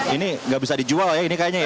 ini nggak bisa dijual ya ini kayaknya ya